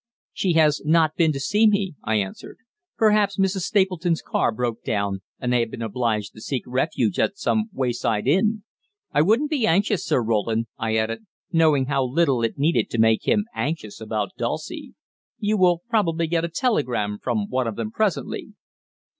"She has not been to see me," I answered. "Perhaps Mrs. Stapleton's car broke down and they have been obliged to seek refuge at some wayside inn. I wouldn't be anxious, Sir Roland," I added, knowing how little it needed to make him anxious about Dulcie. "You will probably get a telegram from one of them presently."